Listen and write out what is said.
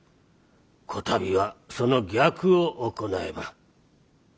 こたびはその逆を行えば。